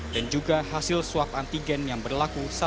dan juga hasil swab antigen yang berlaku